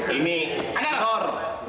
ini ada nur